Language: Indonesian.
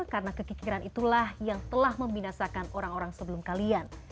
karena kekikiran itulah yang telah membinasakan orang orang sebelum kalian